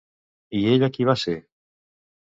I ella qui va ser?